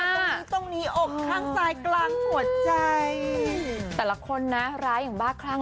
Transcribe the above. ตรงนี้ตรงนี้อกข้างซ้ายกลางหัวใจแต่ละคนนะร้ายอย่างบ้าคลั่ง